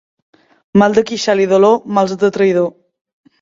Mal de queixal i dolor, mals de traïdor.